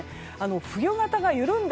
冬型が緩んだ